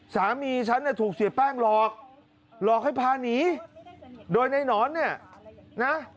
สามีฉันถูกเสียแป้งหลอกหลอกให้พานีโดยนายหนอนเนี่ย